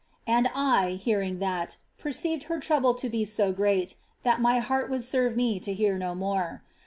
And I, hearing that, perceived her trouble to Se so great, that my heart would serve me to hear no more.